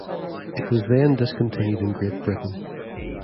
It was then discontinued in Great Britain.